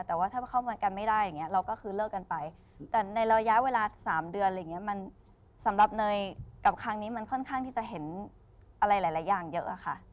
แต่ว่าถ้าเข้าเมืองกันไม่ได้อย่างนี้เราก็คือเลิกกันไปแต่ในระยะเวลา๓เดือนอะไรอย่างนี้มันสำหรับเนยกับครั้งนี้มันค่อนข้างที่จะเห็นอะไรหลายอย่างเยอะอะค่ะ